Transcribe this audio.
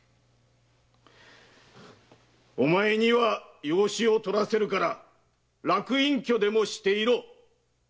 お前には養子を取らせるから楽隠居でもしていろ！